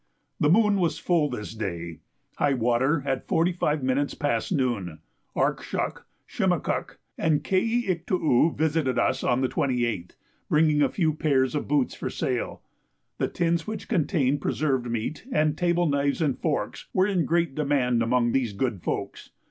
The moon was full this day. High water at 45 minutes past noon. Arkshuk, Shimakuk, and Kei ik too oo visited us on the 28th, bringing a few pairs of boots for sale. The tins which contained preserved meat, and table knives and forks, were in great demand among these good folks.